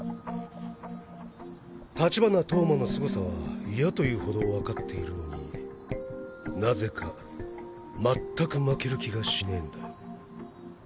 立花投馬の凄さは嫌というほどわかっているのになぜかまったく負ける気がしねえんだよ。